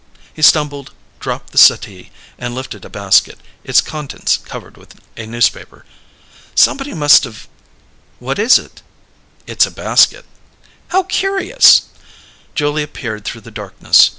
He stumbled, dropped the settee, and lifted a basket, its contents covered with a newspaper. "Somebody must have " "What is it?" "It's a basket," said Noble. "How curious!" Julia peered through the darkness.